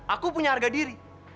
aku punya harga diri